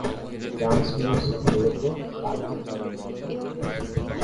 Dance music মূলতঃ তার ক্ষেত্র।